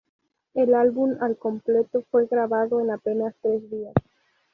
El álbum al completo fue grabado en apenas tres días.